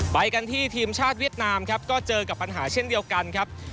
ไปกันที่ทีมชาติเวียดนามครับก็เจอกับปัญหาเช่นเดียวกันครับ